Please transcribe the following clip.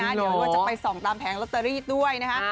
เดี๋ยวเราจะไปส่องตามแผงลอตเตอรี่ด้วยนะคะ